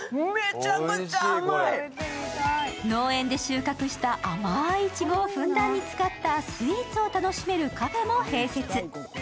農園で収穫した甘いいちごをふんだんに使ったスイーツを楽しめるカフェも併設。